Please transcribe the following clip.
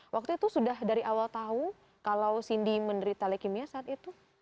waktu itu sudah dari awal tahu kalau cindy menderita leukemia saat itu